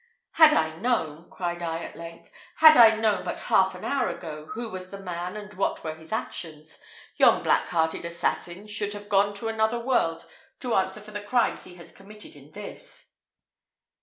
"Had I known," cried I, at length "had I known but half an hour ago, who was the man, and what were his actions, yon black hearted assassin should have gone to another world to answer for the crimes he has committed in this.